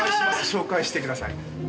紹介してください。